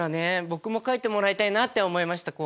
僕も描いてもらいたいなって思いました。